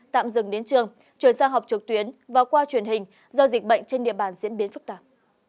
tạm dừng đến trường chuyển giao học trực tuyến và qua truyền hình do dịch bệnh trên địa bàn diễn biến phức tạp